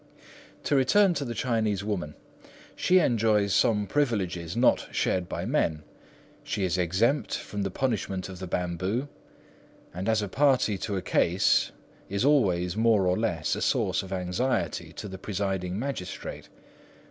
To return to the Chinese woman. She enjoys some privileges not shared by men. She is exempt from the punishment of the bamboo, and, as a party to a case, is always more or less a source of anxiety to the presiding magistrate.